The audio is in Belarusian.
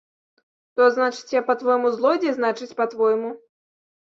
То, значыць, я, па-твойму, злодзей, значыць, па-твойму?